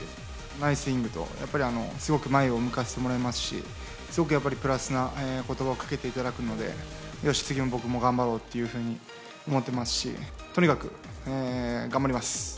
ナイススイングとすごく前を向かせてくれますしプラスな言葉をかけていただくのでよし、次も僕も頑張ろうと思ってますしとにかく頑張ります。